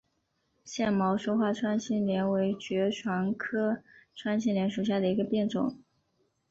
腺毛疏花穿心莲为爵床科穿心莲属下的一个变种。